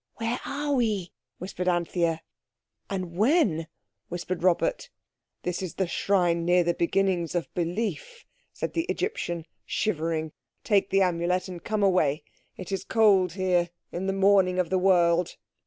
"Where are we?" whispered Anthea. "And when?" whispered Robert. "This is some shrine near the beginnings of belief," said the Egyptian shivering. "Take the Amulet and come away. It is cold here in the morning of the world."